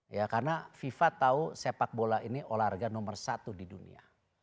ya karena fifa tahu sepak bola ini olahraga nomor satu di dunia